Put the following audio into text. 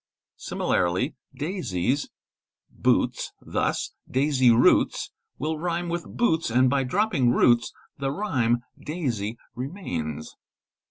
Similarly, daisies' boots" thus: '"'daisy roots'' will rhyme with "boots," and by dropping " roots,' the rhyme, daisy remains.